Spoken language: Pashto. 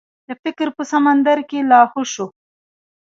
د فکر په سمندر کې لاهو شو.